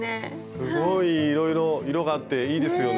すごいいろいろ色があっていいですよね。